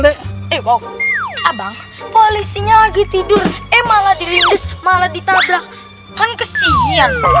dek ebok abang polisinya lagi tidur eh malah dirindis malah ditabrak kan kesian